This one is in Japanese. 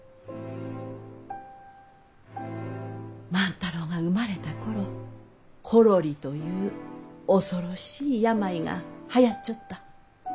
万太郎が生まれた頃コロリという恐ろしい病がはやっちょった。